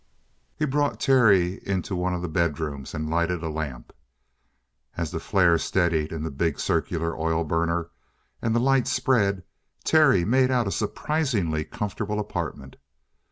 He brought Terry into one of the bedrooms and lighted a lamp. As the flare steadied in the big circular oil burner and the light spread, Terry made out a surprisingly comfortable apartment.